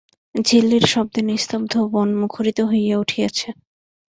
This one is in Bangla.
ঝিল্লির শব্দে নিস্তব্ধ বন মুখরিত হইয়া উঠিয়াছে।